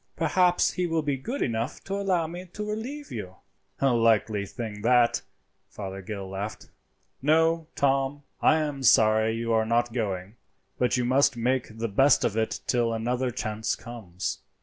Perhaps he will be good enough to allow me to relieve you." "A likely thing that!" Fothergill laughed. "No, Tom, I am sorry you are not going, but you must make the best of it till another chance comes."